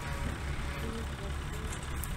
These were crude.